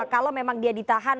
kalau memang dia ditahan